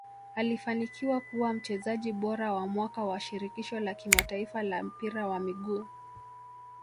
alifanikiwa kuwa mchezaji bora wa mwaka wa shirikisho la kimataifa la mpira wa miguu